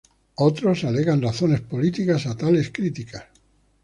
Otros alegan razones políticas a tales críticas.